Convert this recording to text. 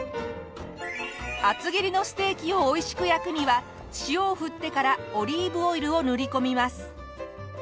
厚切りのステーキをおいしく焼くには塩を振ってからオリーブオイルを塗り込みます。